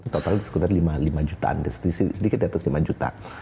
totalnya sekitar lima jutaan sedikit di atas lima juta